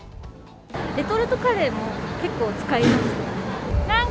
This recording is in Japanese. レトルトカレーも、結構使いますね。